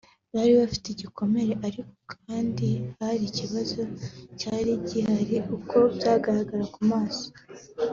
Bari bagifite ibikomere ariko kandi hari ikindi kibazo cyari gihari uko byagaragaraga ku maso